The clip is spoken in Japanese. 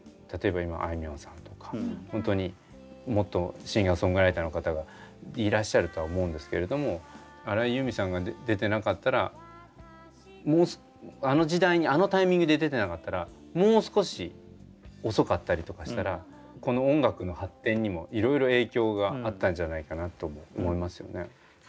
例えば今あいみょんさんとかホントにもっとシンガーソングライターの方がいらっしゃるとは思うんですけれども荒井由実さんが出てなかったらあの時代にあのタイミングで出てなかったらもう少し遅かったりとかしたらこの音楽の発展にもいろいろ影響があったんじゃないかなとも思いますよね。